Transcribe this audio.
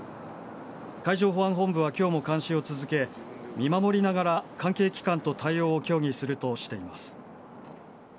海上保安本部は、きょうも監視を続け、見守りながら関係機関と対応を協議するとしています。